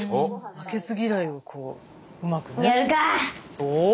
負けず嫌いをこううまくね。